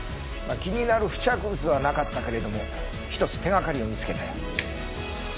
まあ気になる付着物はなかったけれども一つ手掛かりを見つけたよ。